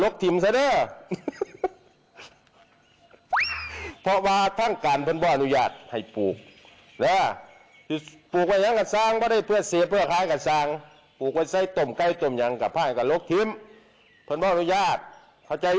เข้าใจหรือเปล่าอ่าสนิทฮะ